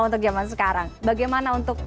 untuk zaman sekarang bagaimana untuk